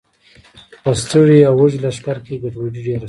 په ستړي او وږي لښکر کې ګډوډي ډېره شوه.